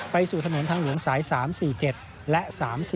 ไปสู่ถนนทางวงสาย๓๔๗และ๓๔๖๙